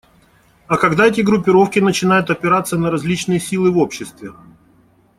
А когда эти группировки начинают опираться на различные силы в обществе?